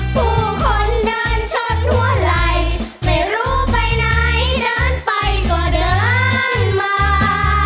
ผู้คนเดินชนหัวไหล่ไม่รู้ไปไหนเดินไปก็เดินมา